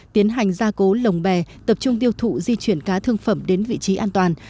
tiến hành gia cố lồng bè tập trung tiêu thụ di chuyển cá thương phẩm đến vị trí an toàn